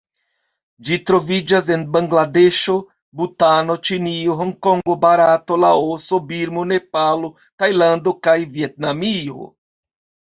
Ĝi troviĝas en Bangladeŝo, Butano, Ĉinio, Hongkongo, Barato, Laoso, Birmo, Nepalo, Tajlando kaj Vjetnamio.